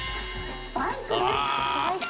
バイクです。